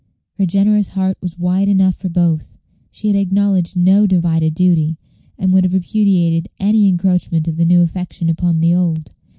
Her generous heart was wide enough for both. She had acknowledged no "divided duty," and would have repudiated any encroachment of the new affection upon the old.